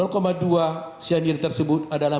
dua cyanida tersebut adalah